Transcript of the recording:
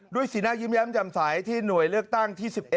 สีหน้ายิ้มแย้มจำใสที่หน่วยเลือกตั้งที่๑๑